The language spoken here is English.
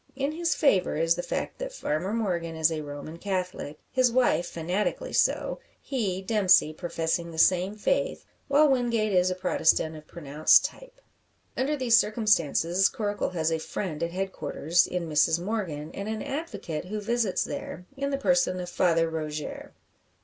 In his favour is the fact that Farmer Morgan is a Roman Catholic his wife fanatically so he, Dempsey, professing the same faith; while Wingate is a Protestant of pronounced type. Under these circumstances Coracle has a friend at head quarters, in Mrs Morgan, and an advocate who visits there, in the person of Father Rogier.